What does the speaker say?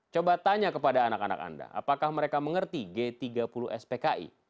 coba tanya kepada anak anak anda apakah mereka mengerti g tiga puluh spki